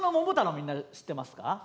みんな知ってますか？